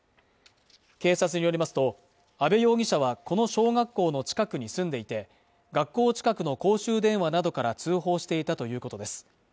警察によりますと阿部容疑者はこの小学校の近くに住んでいて学校近くの公衆電話などから通報していたということです